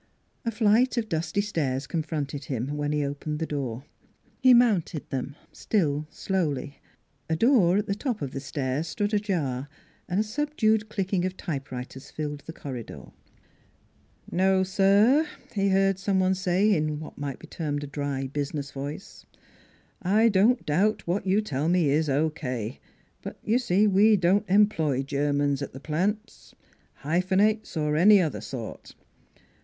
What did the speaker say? A flight of dusty stairs confronted him, when he opened the door. He mounted them, still slowly. A door at the top of the stair stood ajar and a subdued clicking of typewriters filled the corridor. " No, sir," he heard some one say, in what might be termed a dry, business voice; " I don't doubt what you tell me is O.K.; but y' see we don't employ Germans at the plant hyphenates, or any other sort.